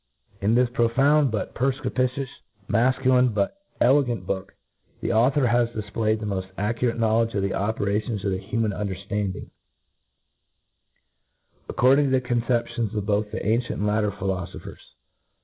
In this profound, but perfpicuous, mafculine, but elegant book, the au thor has difplayed the mod accurate knowledge of the operations of the human undcrftanding, according to the conceptions of both the ancient and later philofophers.